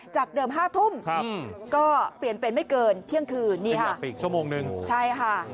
จากเดิม๕ทุ่มก็เปลี่ยนเป็นไม่เกินเที่ยงคืนนี้ฮะ